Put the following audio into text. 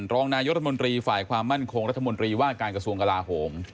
รองนายรัฐมนตรีฝ่ายความมั่นคงรัฐมนตรีว่าการกระทรวงกลาโหม